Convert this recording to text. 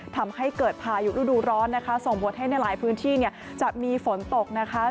ทำให้เกิดพายุฤดูร้อนนะคะส่งผลให้ในหลายพื้นที่จะมีฝนตกนะคะ